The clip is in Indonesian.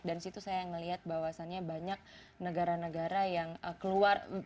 dan disitu saya melihat bahwasannya banyak negara negara yang keluar